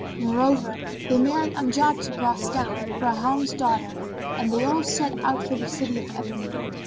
Moreover they married Amjad to Bostan, Bahram's daughter, and they all set out for the City of Ebony.